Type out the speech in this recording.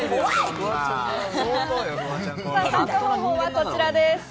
参加方法はこちらです。